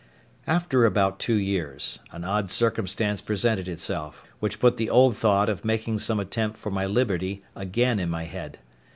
After about two years, an odd circumstance presented itself, which put the old thought of making some attempt for my liberty again in my head.